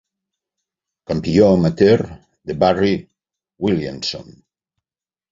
Campió amateur DaVarryl Williamson.